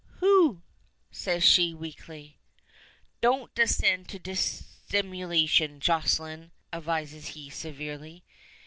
Who?" says she, weakly. "Don't descend to dissimulation, Jocelyne," advises he, severely.